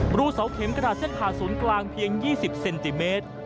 รูเสาเข็มกระดาษเส้นผ่าศูนย์กลางเพียง๒๐เซนติเมตร